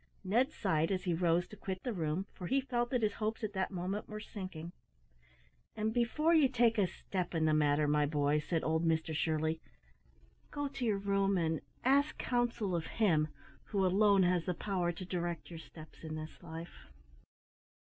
Ned sighed as he rose to quit the room, for he felt that his hopes at that moment were sinking. "And before you take a step in the matter, my boy," said old Mr Shirley, "go to your room and ask counsel of Him who alone has the power to direct your steps in this life."